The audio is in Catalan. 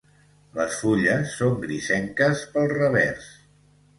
Les fulles son grisenques pel revers.